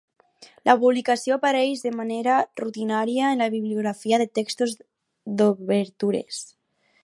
La publicació apareix de manera rutinària en la bibliografia de textos d'obertures.